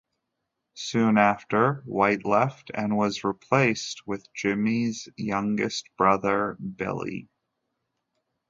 Soon after, White left and was replaced with Jimmy's youngest brother, Billy.